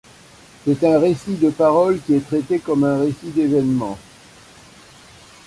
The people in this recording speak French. C'est un récit de parole qui est traité comme un récit d'évènements.